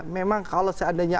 memang kalau seandainya